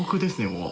もう。